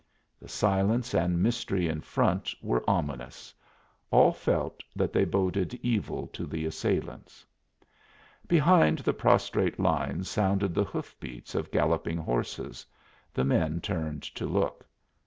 The silence and mystery in front were ominous; all felt that they boded evil to the assailants. Behind the prostrate lines sounded the hoofbeats of galloping horses; the men turned to look.